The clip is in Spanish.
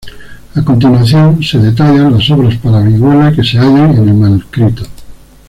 A continuación se detallan las obras para vihuela que se hallan en el manuscrito.